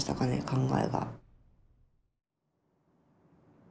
考えが。